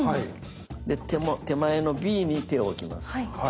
手前のＢに手を置きます。